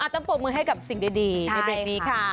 ต้องปกมือให้กับสิ่งดีในเรื่องนี้ค่ะ